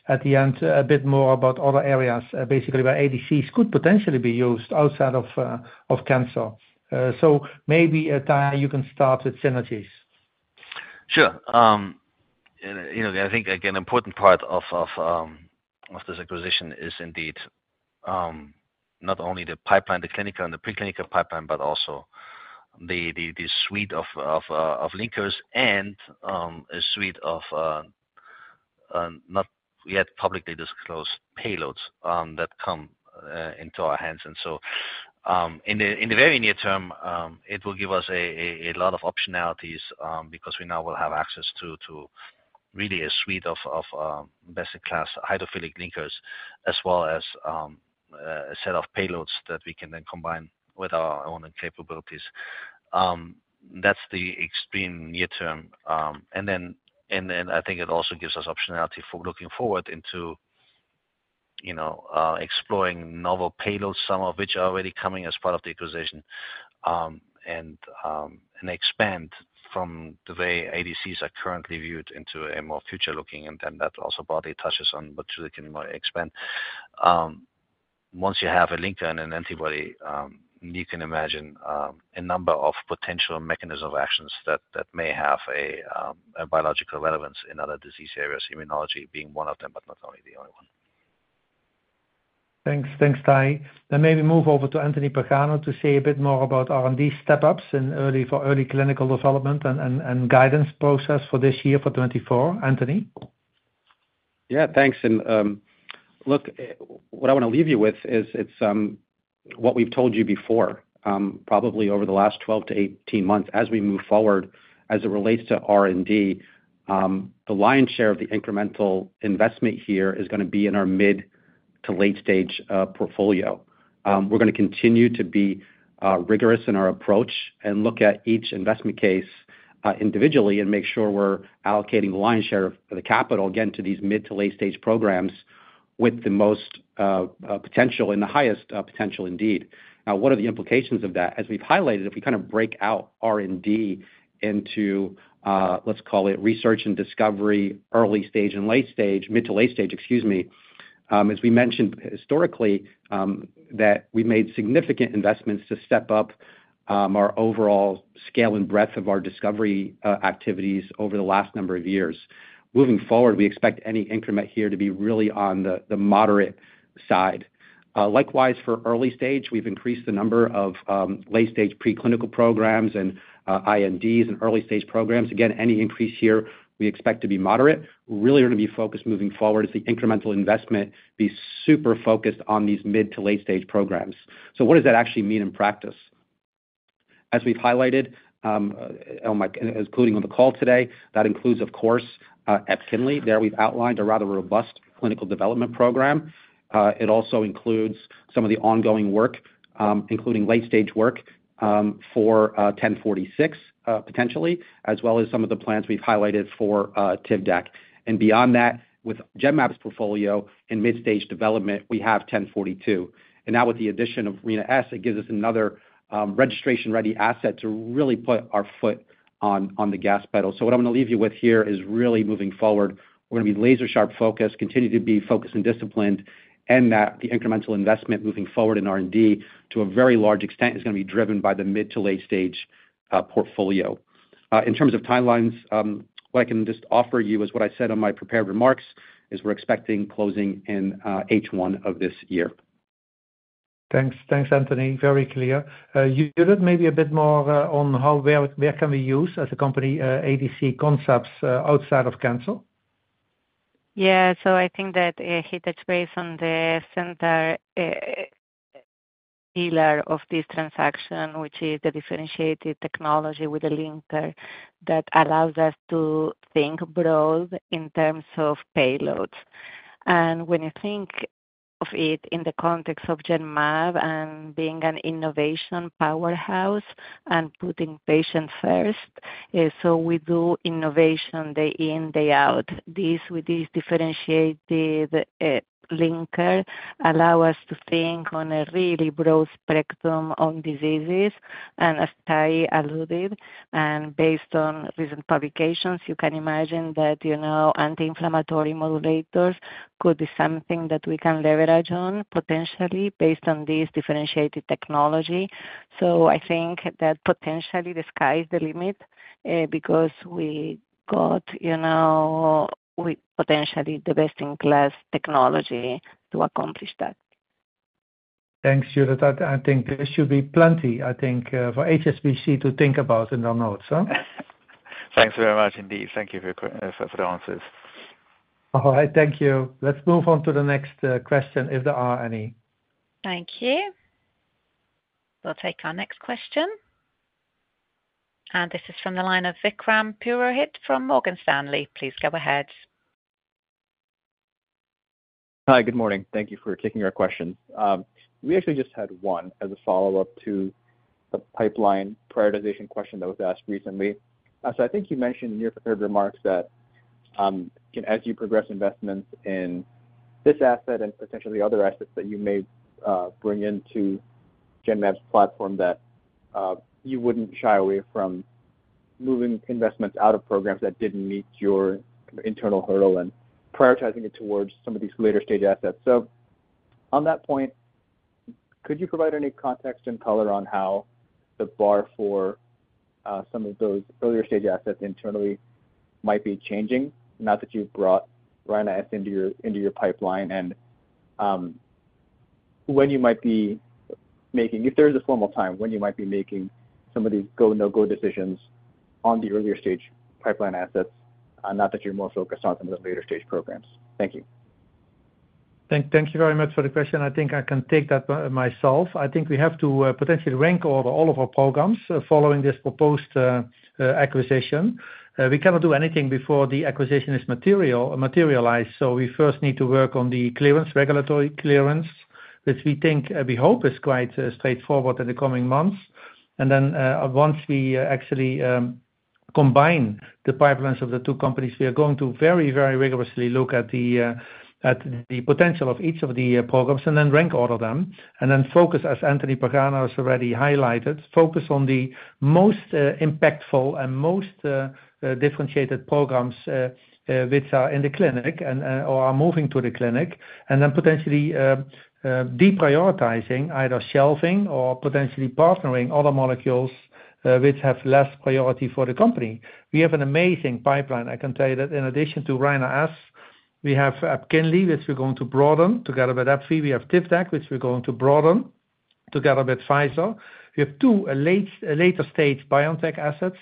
at the end a bit more about other areas, basically where ADCs could potentially be used outside of cancer. So maybe, Tahi, you can start with synergies. Sure. And I think an important part of this acquisition is indeed not only the pipeline, the clinical and the preclinical pipeline, but also the suite of linkers and a suite of not yet publicly disclosed payloads that come into our hands. And so in the very near term, it will give us a lot of optionalities because we now will have access to really a suite of best-in-class hydrophilic linkers as well as a set of payloads that we can then combine with our own capabilities. That's the extreme near term. And then I think it also gives us optionality for looking forward into exploring novel payloads, some of which are already coming as part of the acquisition, and expand from the way ADCs are currently viewed into a more future-looking. And then that also probably touches on what Judith can more expand. Once you have a linker and an antibody, you can imagine a number of potential mechanisms of actions that may have a biological relevance in other disease areas, immunology being one of them, but not only the only one. Thanks. Thanks, Tahi. Then maybe move over to Anthony Pagano to say a bit more about R&D step-ups for early clinical development and guidance process for this year, for 2024. Anthony? Yeah. Thanks. Look, what I want to leave you with is what we've told you before, probably over the last 12-18 months, as we move forward as it relates to R&D, the lion's share of the incremental investment here is going to be in our mid- to late-stage portfolio. We're going to continue to be rigorous in our approach and look at each investment case individually and make sure we're allocating the lion's share of the capital, again, to these mid- to late-stage programs with the most potential and the highest potential indeed. Now, what are the implications of that? As we've highlighted, if we kind of break out R&D into, let's call it, research and discovery, early stage and late stage, mid to late stage, excuse me, as we mentioned historically, that we've made significant investments to step up our overall scale and breadth of our discovery activities over the last number of years. Moving forward, we expect any increment here to be really on the moderate side. Likewise, for early stage, we've increased the number of late stage preclinical programs and INDs and early stage programs. Again, any increase here, we expect to be moderate. We're really going to be focused moving forward as the incremental investment be super focused on these mid to late stage programs. So what does that actually mean in practice? As we've highlighted, including on the call today, that includes, of course, Epkinly. There, we've outlined a rather robust clinical development program. It also includes some of the ongoing work, including late stage work for 1046 potentially, as well as some of the plans we've highlighted for Tivdak. Beyond that, with Genmab's portfolio in mid-stage development, we have 1042. Now, with the addition of Rina-S, it gives us another registration-ready asset to really put our foot on the gas pedal. So what I want to leave you with here is really moving forward, we're going to be laser-sharp focused, continue to be focused and disciplined, and that the incremental investment moving forward in R&D to a very large extent is going to be driven by the mid to late stage portfolio. In terms of timelines, what I can just offer you is what I said on my prepared remarks, is we're expecting closing in H1 of this year. Thanks. Thanks, Anthony. Very clear. Judith, maybe a bit more on where can we use as a company ADC concepts outside of cancer? Yeah. So I think that Rina-S is the center pillar of this transaction, which is the differentiated technology with a linker that allows us to think broad in terms of payloads. And when you think of it in the context of Genmab and being an innovation powerhouse and putting patients first, so we do innovation day in, day out. This with this differentiated linker allows us to think on a really broad spectrum of diseases. And as Tahi alluded, and based on recent publications, you can imagine that anti-inflammatory modulators could be something that we can leverage on potentially based on this differentiated technology. So I think that potentially, the sky is the limit because we got potentially the best-in-class technology to accomplish that. Thanks, Judith. I think this should be plenty, I think, for HSBC to think about in their notes. Thanks very much, indeed. Thank you for the answers. All right. Thank you. Let's move on to the next question, if there are any. Thank you. We'll take our next question. This is from the line of Vikram Purohit from Morgan Stanley. Please go ahead. Hi. Good morning. Thank you for taking our questions. We actually just had one as a follow-up to the pipeline prioritization question that was asked recently. So I think you mentioned in your prepared remarks that as you progress investments in this asset and potentially other assets that you may bring into Genmab's platform, that you wouldn't shy away from moving investments out of programs that didn't meet your internal hurdle and prioritizing it towards some of these later stage assets. So on that point, could you provide any context and color on how the bar for some of those earlier stage assets internally might be changing, now that you've brought Rina-S into your pipeline, and when you might be making if there is a formal time, when you might be making some of these go-no-go decisions on the earlier stage pipeline assets, not that you're more focused on some of the later stage programs? Thank you. Thank you very much for the question. I think I can take that myself. I think we have to potentially rank order all of our programs following this proposed acquisition. We cannot do anything before the acquisition is materialized. So we first need to work on the clearance, regulatory clearance, which we think we hope is quite straightforward in the coming months. And then once we actually combine the pipelines of the two companies, we are going to very, very rigorously look at the potential of each of the programs and then rank order them. And then focus, as Anthony Pagano has already highlighted, focus on the most impactful and most differentiated programs which are in the clinic or are moving to the clinic, and then potentially deprioritizing either shelving or potentially partnering other molecules which have less priority for the company. We have an amazing pipeline, I can tell you, that in addition to Rina-S, we have Epkinly, which we're going to broaden together with AbbVie. We have Tivdak, which we're going to broaden together with Pfizer. We have two later stage BioNTech assets,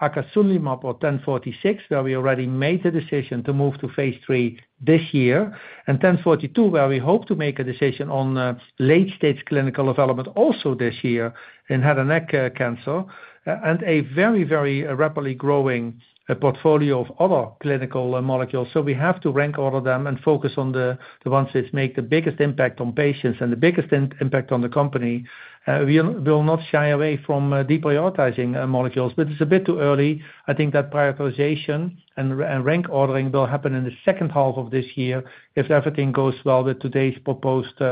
acasunlimab or GEN1046, where we already made the decision to move to phase III this year, and GEN1042, where we hope to make a decision on late stage clinical development also this year in head and neck cancer, and a very, very rapidly growing portfolio of other clinical molecules. So we have to rank order them and focus on the ones which make the biggest impact on patients and the biggest impact on the company. We will not shy away from deprioritizing molecules, but it's a bit too early. I think that prioritization and rank ordering will happen in the second half of this year if everything goes well with today's proposed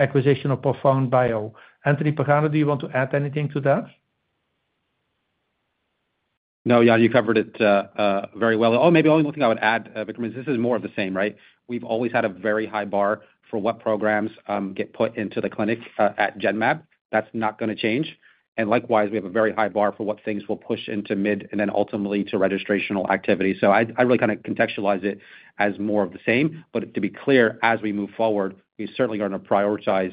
acquisition of ProfoundBio. Anthony Pagano, do you want to add anything to that? No, Jan, you covered it very well. Oh, maybe only one thing I would add, Vikram, is this is more of the same, right? We've always had a very high bar for what programs get put into the clinic at Genmab. That's not going to change. And likewise, we have a very high bar for what things we'll push into mid and then ultimately to registrational activity. So I really kind of contextualize it as more of the same. But to be clear, as we move forward, we certainly are going to prioritize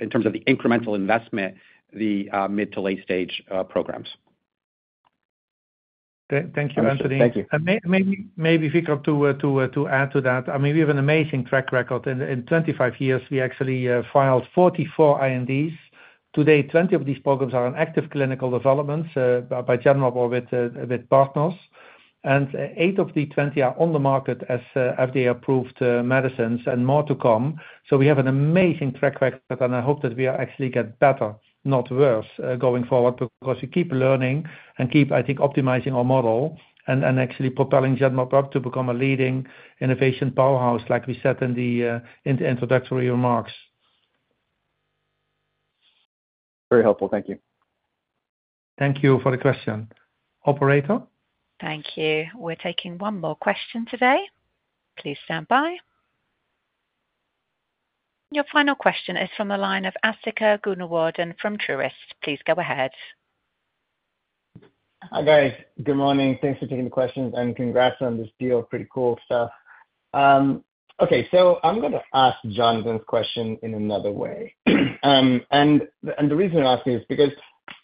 in terms of the incremental investment, the mid to late stage programs. Thank you, Anthony. And maybe Vikram to add to that. I mean, we have an amazing track record. In 25 years, we actually filed 44 INDs. Today, 20 of these programs are in active clinical developments by Genmab or with partners. And eight of the 20 are on the market as FDA-approved medicines and more to come. So we have an amazing track record, and I hope that we actually get better, not worse, going forward because we keep learning and keep, I think, optimizing our model and actually propelling Genmab up to become a leading innovation powerhouse like we said in the introductory remarks. Very helpful. Thank you. Thank you for the question. Operator? Thank you. We're taking one more question today. Please stand by. Your final question is from the line of Asthika Goonewardene from Truist. Please go ahead. Hi guys. Good morning. Thanks for taking the questions and congrats on this deal. Pretty cool stuff. Okay. So I'm going to ask Jonathan's question in another way. And the reason I'm asking is because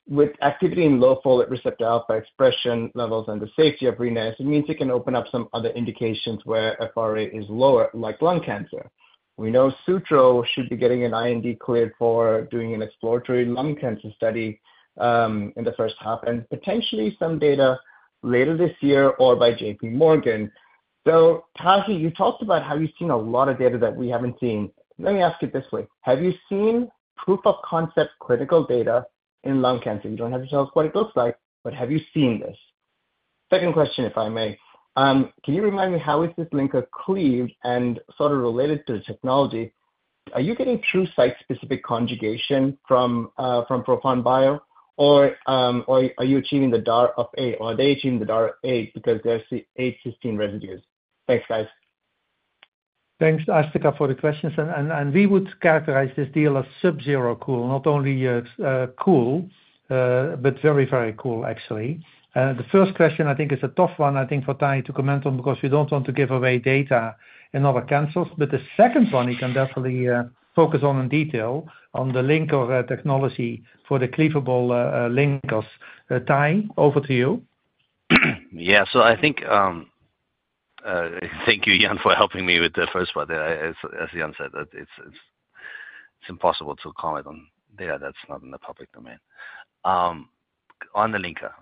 with activity in low folate receptor alpha expression levels and the safety of Rina-S, it means it can open up some other indications where FR alpha is lower, like lung cancer. We know Sutro should be getting an IND cleared for doing an exploratory lung cancer study in the first half and potentially some data later this year or by JP Morgan. So Tahi, you talked about how you've seen a lot of data that we haven't seen. Let me ask it this way. Have you seen proof-of-concept clinical data in lung cancer? You don't have to tell us what it looks like, but have you seen this? Second question, if I may. Can you remind me how is this linker cleaved and sort of related to the technology? Are you getting true site-specific conjugation from ProfoundBio, or are you achieving the DAR 8? Are they achieving the DAR 8 because they're 8-16 residues? Thanks, guys. Thanks, Asthika, for the questions. We would characterize this deal as subzero cool, not only cool, but very, very cool, actually. The first question, I think, is a tough one, I think, for Tahi to comment on because we don't want to give away data in other cancers. The second one, you can definitely focus on in detail on the linker technology for the cleavable linkers. Tahi, over to you. Yeah. So I think thank you, Jan, for helping me with the first part there. As Jan said, it's impossible to comment on data. That's not in the public domain. On the linker,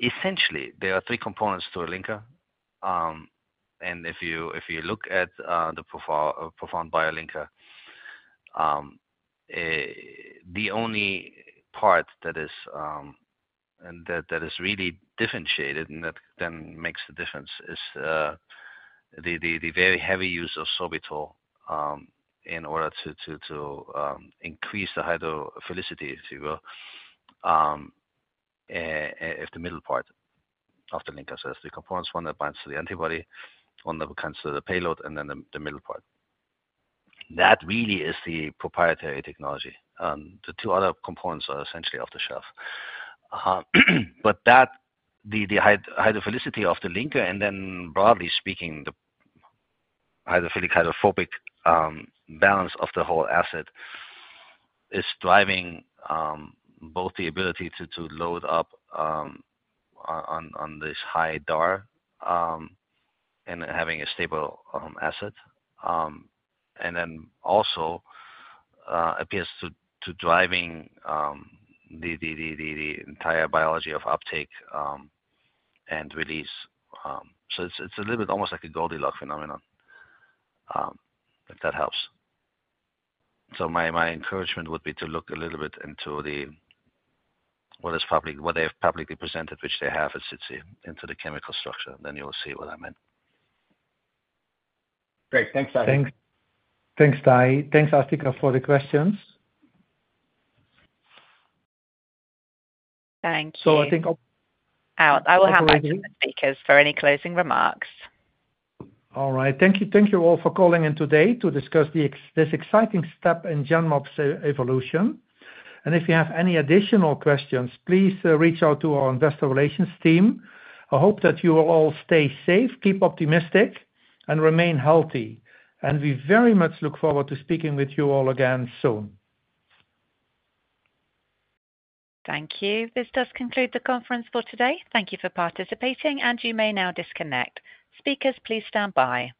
essentially, there are three components to a linker. And if you look at the ProfoundBio linker, the only part that is really differentiated and that then makes the difference is the very heavy use of sorbitol in order to increase the hydrophilicity, if you will, of the middle part of the linker. So there's three components: one that binds to the antibody, one that binds to the payload, and then the middle part. That really is the proprietary technology. The two other components are essentially off the shelf. But the hydrophilicity of the linker and then, broadly speaking, the hydrophilic hydrophobic balance of the whole asset is driving both the ability to load up on this high DAR and having a stable asset and then also appears to be driving the entire biology of uptake and release. So it's a little bit almost like a Goldilocks phenomenon, if that helps. So my encouragement would be to look a little bit into what they have publicly presented, which they have at Suzhou, into the chemical structure. Then you will see what I meant. Great. Thanks, Tahi. Thanks, Tahamtan. Thanks, Asthika, for the questions. Thank you. So I think. I will have my second speakers for any closing remarks. All right. Thank you all for calling in today to discuss this exciting step in Genmab's evolution. If you have any additional questions, please reach out to our investor relations team. I hope that you will all stay safe, keep optimistic, and remain healthy. We very much look forward to speaking with you all again soon. Thank you. This does conclude the conference for today. Thank you for participating, and you may now disconnect. Speakers, please stand by.